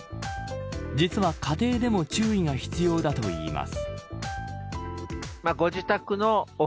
実は、家庭でも注意が必要だといいます。